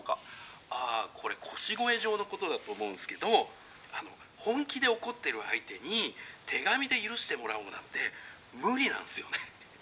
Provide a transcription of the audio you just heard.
あこれ『腰越状』のことだと思うんすけどあの本気で怒ってる相手に手紙で許してもらおうなんて無理なんすよね」。